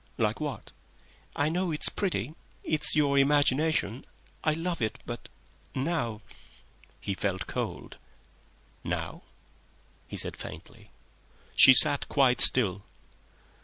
"Like what?" "I know it's pretty—it's your imagination. I love it, but now—" He felt cold. "Now?" he said, faintly. She sat quite still.